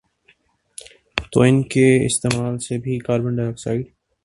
تو ان کے استعمال سے بھی کاربن ڈائی آکسائیڈ